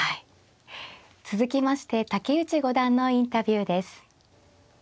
続きまして竹内五段のインタビューです。